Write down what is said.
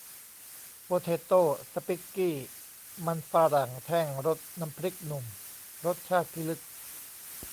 โปเทโต้ สปิคกี้ มันฝรั่งแท่ง รสน้ำพริกหนุ่ม รสชาติพิลึก